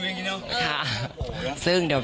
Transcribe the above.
พี่เบิ๊ดเอา๒รอบหน่อยเลยครับ